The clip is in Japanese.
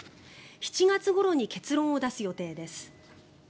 ７月ごろに結論を出す予定です。